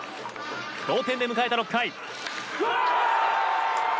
同点で迎えた６回。